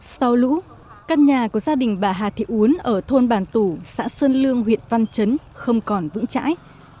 sau lũ căn nhà của gia đình bà hà thị uốn ở thôn bản tủ xã sơn lương huyện văn chấn không còn vững chãi